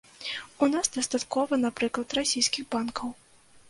У нас дастаткова, напрыклад, расійскіх банкаў.